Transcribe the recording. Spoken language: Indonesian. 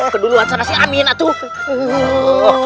keduluan saya si amin ato